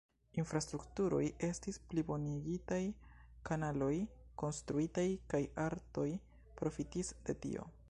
Infrastrukturoj estis plibonigitaj, kanaloj konstruitaj kaj artoj profitis de tio.